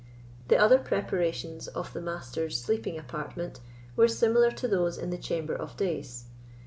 The other preparations of the Master's sleeping apartment were similar to those in the chamber of dais.